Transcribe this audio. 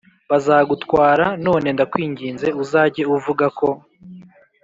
bazagutwara None ndakwinginze uzajye uvuga ko